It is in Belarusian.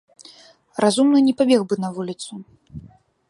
Разумны не пабег бы на вуліцу.